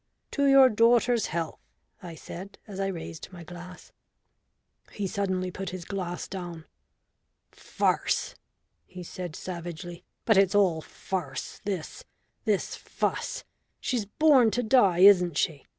"To your daughter's health," I said, as I raised my glass. He suddenly put his glass down. "Farce," he said savagely. "But it's all farce this this fuss, She's born to die, isn't she?